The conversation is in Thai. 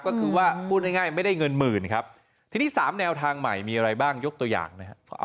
ก็คือว่าพูดง่ายไม่ได้เงินหมื่นครับทีนี้๓แนวทางใหม่มีอะไรบ้างยกตัวอย่างนะครับ